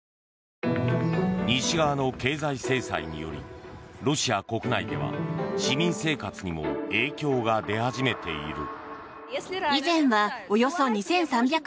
西側の経済制裁によりロシア国内では市民生活にも影響が出始めている。